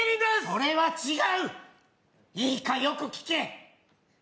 それは違う、いいかよく聞け。